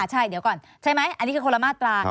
ใช่ไหมอันนี้คือคนละมาตรา